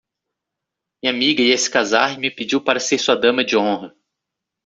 Minha amiga ia se casar e me pediu para ser sua dama de honra.